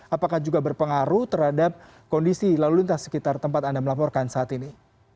apakah juga berpengaruh terhadap kondisi lalu lintas sekitar tempat anda melaporkan saat ini